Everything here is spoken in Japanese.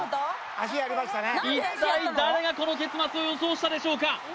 一体誰がこの結末を予想したでしょうか？